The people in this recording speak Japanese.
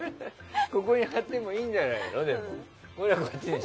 ここに貼ってもいいんじゃないの？